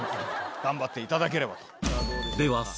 頑張っていただければと。